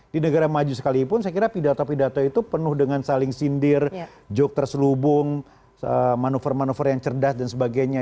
di negara maju sekalipun saya kira pidato pidato itu penuh dengan saling sindir joke terselubung manuver manuver yang cerdas dan sebagainya